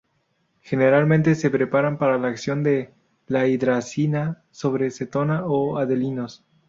Generalmente se preparan por la acción de la hidrazina sobre cetonas o aldehídos.